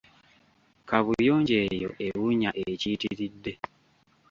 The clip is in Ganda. Kaabuyonjo eyo ewunya ekiyitiridde.